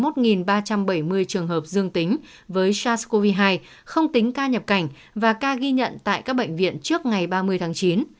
hai mươi một ba trăm bảy mươi trường hợp dương tính với sars cov hai không tính ca nhập cảnh và ca ghi nhận tại các bệnh viện trước ngày ba mươi tháng chín